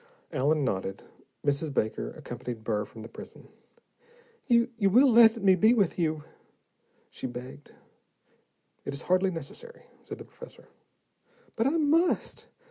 Allen nodded. Mrs. Baker accompanied Burr from the prison. "You you will let me be with you?" she begged. "It is hardly necessary," said the professor. "But I must.